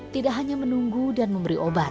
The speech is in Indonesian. tidak hanya menunggu dan memberi obat